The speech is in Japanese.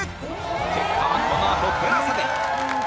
結果はこのあと ＴＥＬＡＳＡ で！